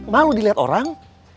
malu dilihat orang